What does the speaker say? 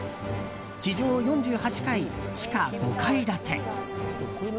地上４８階、地下５階建て。